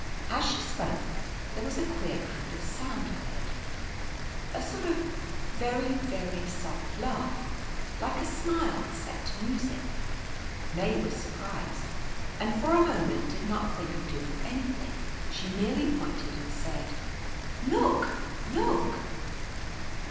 As she spoke there was a queer kind of sound heard — a sort of very, very soft laugh — like a smile set to music. May was surprised, and, for a moment, did not think of doing anything; she merely pointed, and said :" Look, look